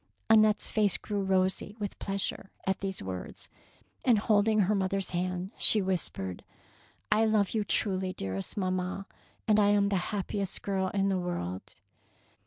^^ Annette's face grew rosy with pleasure at these words, and holding her mother's hand, she whispered, — 187 DEEDS OF DAEING "I love you truly, dearest mamma, and I am the happiest girl in the world.